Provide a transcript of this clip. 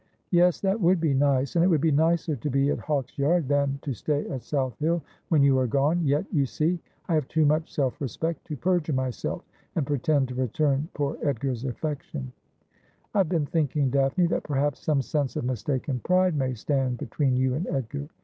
' Yes, that would be nice ; and it would be nicer to be at Hawksyard than to stay at South HiU when you are gone. Yet you see I have too much self respect to perjure myself, and pretend to return poor Edgar's affection.' ' I have been thinking, Daphne, that perhaps some sense of mistaken pride may stand between you and Edgar.'